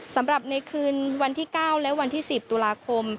สำหรับในคืนวันที่๙และวันที่๑๐ตุลาคม